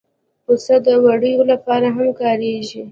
پسه د وړیو لپاره هم کارېږي.